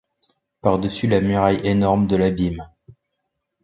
Par-dessus là muraille énorme de l'abîme !